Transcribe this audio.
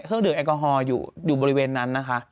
เครื่องดื่มแอลกอฮอล์อยู่บริเวณนั้นนะคะ